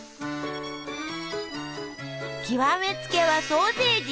極めつけはソーセージ！